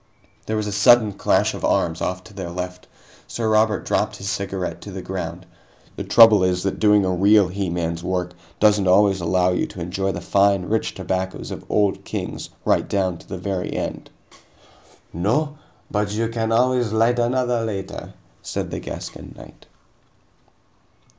There was a sudden clash of arms off to their left. Sir Robert dropped his cigarette to the ground. "The trouble is that doing a real he man's work doesn't always allow you to enjoy the fine, rich tobaccos of Old Kings right down to the very end." "No, but you can always light another later," said the Gascon knight.